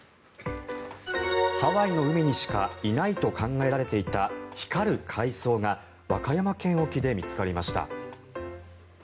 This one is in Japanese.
ハワイの海にしかいないと考えられていた光る海藻が和歌山県沖で見つかりました。